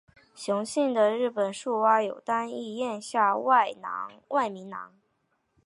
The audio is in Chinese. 雄性的日本树蛙有单一咽下外鸣囊。